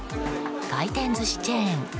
回転寿司チェーン